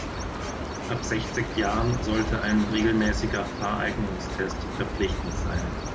Ab sechzig Jahren sollte ein regelmäßiger Fahreignungstest verpflichtend sein.